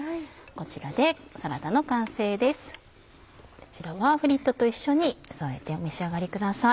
こちらはフリットと一緒に添えてお召し上がりください。